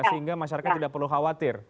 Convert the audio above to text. sehingga masyarakat tidak perlu khawatir